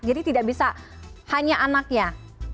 jadi tidak bisa hanya anak anak